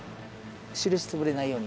印潰れないように。